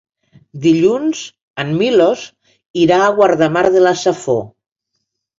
Dilluns en Milos irà a Guardamar de la Safor.